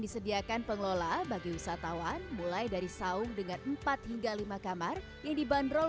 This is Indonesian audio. disediakan pengelola bagi wisatawan mulai dari saung dengan empat hingga lima kamar yang dibanderol